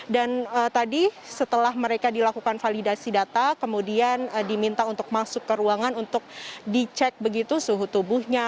dan tadi setelah mereka dilakukan validasi data kemudian diminta untuk masuk ke ruangan untuk dicek begitu suhu tubuhnya